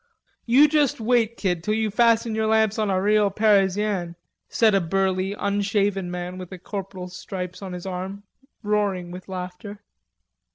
"You just wait, kid, till you fasten your lamps on a real Parizianne," said a burly, unshaven man with a corporal's stripes on his arm, roaring with laughter.